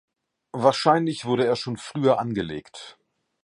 Wahrscheinlich wurde er schon früher angelegt.